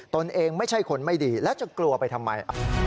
ตนเองไม่ใช่คนไม่ดีแล้วจะกลัวไปทำไม